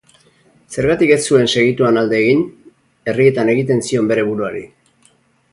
Zergatik ez zuen segituan alde egin? Errietan egiten zion bere buruari.